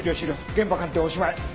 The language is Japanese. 現場鑑定おしまい。